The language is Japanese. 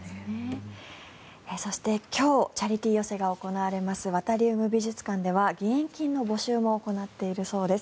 そして今日チャリティー寄席が行われますワタリウム美術館では義援金の募集も行っているそうです。